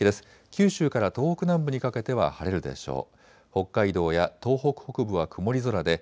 九州から東北南部にかけては晴れるでしょう。